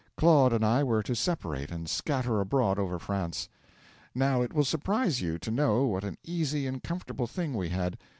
Claude and I were to separate, and scatter abroad over France. 'Now, it will surprise you to know what an easy and comfortable thing we had.